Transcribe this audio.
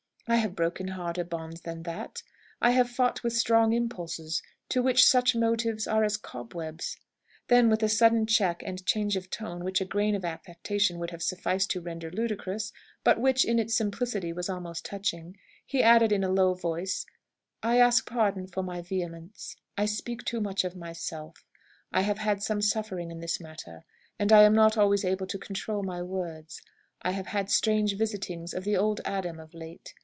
I have broken harder bonds than that; I have fought with strong impulses, to which such motives are as cobwebs " Then, with a sudden check and change of tone which a grain of affectation would have sufficed to render ludicrous, but which, in its simplicity, was almost touching, he added, in a low voice, "I ask pardon for my vehemence; I speak too much of myself. I have had some suffering in this matter, and am not always able to control my words. I have had strange visitings of the old Adam of late.